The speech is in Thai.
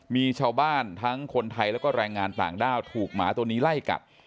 มีชาวบ้านทั้งคนไทยแล้วก็แรงงานต่างด้าวถูกหมาตัวนี้ไล่กัด